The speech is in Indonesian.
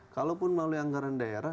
kalaupun melalui anggaran daerah